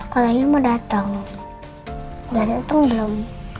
kalau dia mau datang udah datang belum